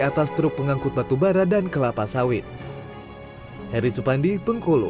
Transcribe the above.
atas truk pengangkut batu bara dan kelapa sawit heri supandi bengkulu